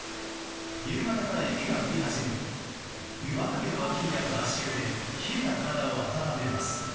夕方から雪が降り始め湯畑の脇にある足湯で冷えた体を温めます。